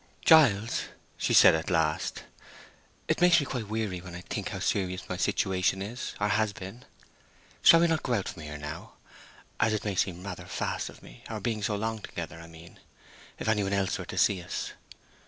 "Giles," she said, at last, "it makes me quite weary when I think how serious my situation is, or has been. Shall we not go out from here now, as it may seem rather fast of me—our being so long together, I mean—if anybody were to see us?